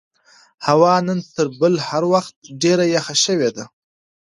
هوا نن تر بل هر وخت ډېره یخه شوې ده.